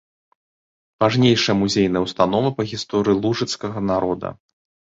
Важнейшая музейная ўстанова па гісторыі лужыцкага народа.